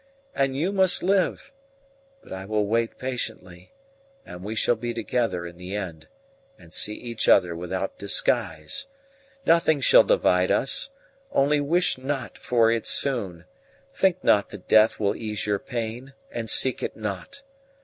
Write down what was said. And you must live. But I will wait patiently, and we shall be together in the end, and see each other without disguise. Nothing shall divide us. Only wish not for it soon; think not that death will ease your pain, and seek it not.